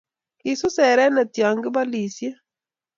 Kisus erene ya kibolisie.